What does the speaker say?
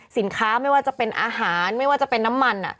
ไม่ว่าจะเป็นอาหารไม่ว่าจะเป็นน้ำมัน